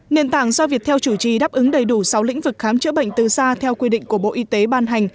nền tảng do viettel chủ trì đáp ứng đầy đủ sáu lĩnh vực khám chữa bệnh từ xa theo quy định của bộ y tế ban hành